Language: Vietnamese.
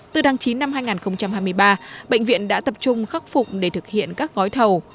từ tháng chín năm hai nghìn hai mươi ba bệnh viện đã tập trung khắc phục để thực hiện các gói thầu